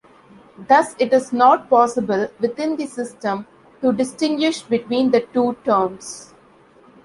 Thus it is not possible, within the system, to distinguish between the two terms.